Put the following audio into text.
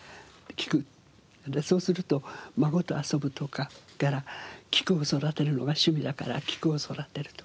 そうすると「孫と遊ぶ」とかそれから「菊を育てるのが趣味だから菊を育てる」と。